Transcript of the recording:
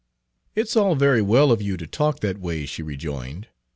"It's all very well of you to talk that way," she rejoined.